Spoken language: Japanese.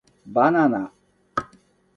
ばなな